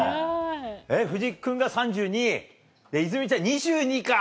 えっ藤木君が３２歳で泉ちゃん２２歳か。